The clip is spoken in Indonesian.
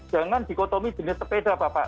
jangan dikotomi jenis sepeda bapak